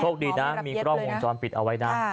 คดีนะมีกล้องวงจรปิดเอาไว้นะ